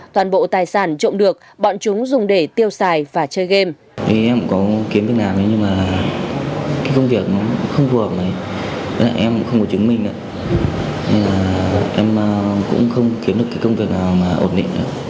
toàn bộ tài sản trộm được bọn chúng dùng để tiêu xài và chơi game